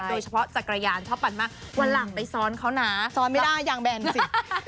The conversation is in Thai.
จักรยานชอบปั่นมากวันหลังไปซ้อนเขานะซ้อนไม่ได้ยางแบนสิ